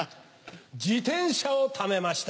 自転車をためました。